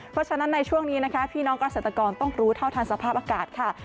เพราะฉะนั้นในช่วงนี้นะคะพี่น้องเกษตรกรต้องรู้เท่าทันสภาพอากาศค่ะ